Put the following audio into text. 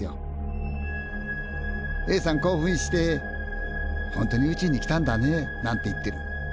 興奮して「本当に宇宙に来たんだね！」なんて言ってる。